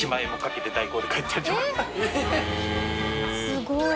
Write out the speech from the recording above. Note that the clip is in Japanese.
すごい。